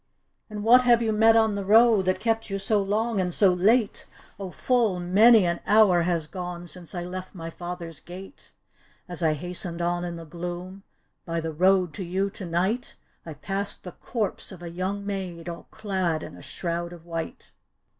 " And what have you met on the road That kept you so long and so late ?"" O full many an hour has gone Since I left my father's gate. "As I hastened on in the gloom, By the road to you tonight, I passed the corpse of a young maid All clad in a shroud of white."